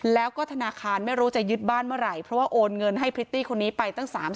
แล้วก็ธนาคารไม่รู้จะยึดบ้านเมื่อไหร่เพราะว่าโอนเงินให้พริตตี้คนนี้ไปตั้ง๓๐๐